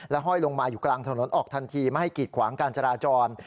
ห้อยลงมาอยู่กลางถนนออกทันทีไม่ให้กีดขวางการจราจร